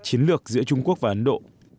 chiến lược giữa trung quốc và ấn độ